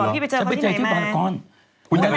พี่ไปเจอเค้าที่ไหนมา